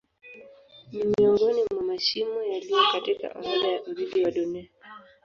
Ni miongoni mwa mashimo yaliyo katika orodha ya urithi wa Dunia.